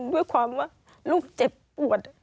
ด้วยความว่าลูกเจ็บปวด